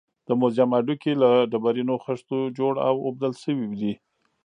د موزیم هډوکي له ډبرینو خښتو جوړ او اوبدل شوي دي.